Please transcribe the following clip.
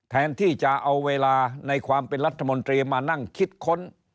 แทนที่จะเอาเวลาในความเป็นรัฐมนตรีมานั่งคิดค้น